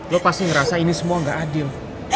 lo pasti ngerasa ini semua gak adil